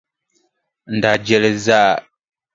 N daa je li zaa!